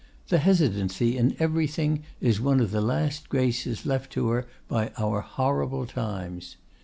This hesitancy in everything is one of the last graces left to her by our horrible times.